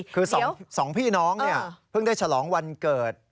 คือ๒พี่น้องเนี่ยเพิ่งได้ฉลองวันเกิด